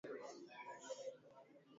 wa Rwanda Ijumaa wamezindua ramani